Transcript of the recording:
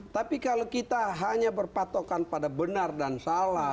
tapi kalau kita hanya berpatokan pada benar dan salah